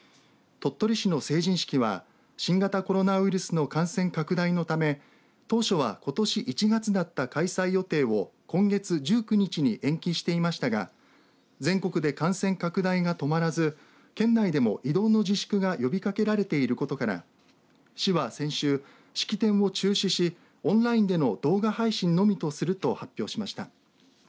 鳥取市の成人式は新型コロナウイルスの感染拡大のため当初はことし１月だった開催予定を今月１９日に延期してましたが全国で感染拡大が止まらず県内でも移動の自粛が呼びかけられていることから市は先週、式典を中止しオンラインでの動画配信のみとすると発表しました。